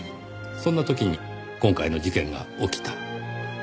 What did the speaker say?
そんな時に今回の事件が起きた。